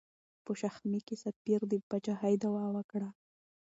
په شماخي کې سفیر د پاچاهۍ دعوه وکړه.